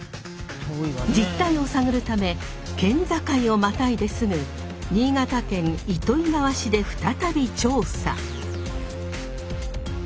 実態を探るため県境をまたいですぐ新潟県糸魚川市で再び調査。